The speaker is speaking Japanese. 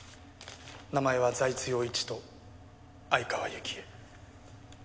名前は財津陽一と相川雪江。